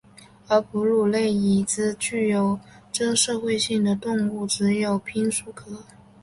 而哺乳类中已知具有真社会性的动物只有滨鼠科。